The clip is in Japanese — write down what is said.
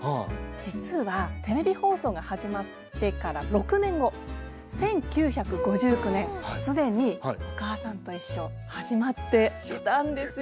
実はテレビ放送が始まってから６年後１９５９年既に「おかあさんといっしょ」始まっていたんですよ。